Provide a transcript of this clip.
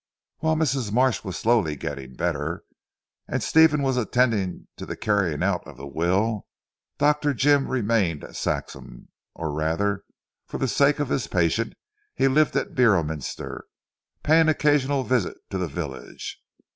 While Mrs. Marsh was slowly getting better, and Stephen was attending to the carrying out of the will, Dr. Jim remained at Saxham, or rather for the sake of his patient he lived at Beorminster, paying occasional visits to the village.